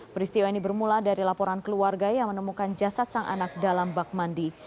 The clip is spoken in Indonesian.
peristiwa ini bermula dari laporan keluarga yang menemukan jasad sang anak dalam bak mandi